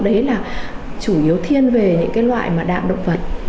đấy là chủ yếu thiên về những loại đạm động vật